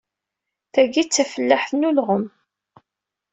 Tagi d tafellaḥt n ulɣem.